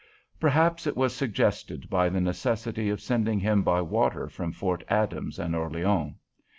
Perhaps it was suggested by the necessity of sending him by water from Fort Adams and Orleans.